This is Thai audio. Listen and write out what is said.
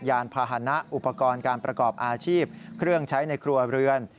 ยานพาหนะอุปกรณ์การประกอบอาชีพเครื่องใช้ในครัวเรือน